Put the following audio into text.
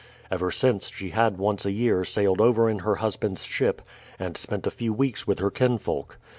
Ever since, she had once a year sailed over in her husband's ship, and spent a few weeks with her kinsfolk.